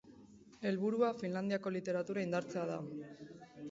Helburua Finlandiako literatura indartzea da.